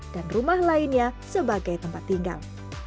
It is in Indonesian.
dan rumah lainnya sebagai tempat tinggal